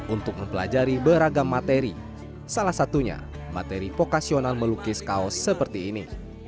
untuk mempelajari beragam materi salah satunya materi vokasional melukis kaos seperti ini